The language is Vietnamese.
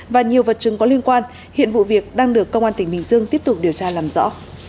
và nhiều vật chứng có liên quan hiện vụ việc đang được công an tỉnh bình dương tiếp tục điều tra làm rõ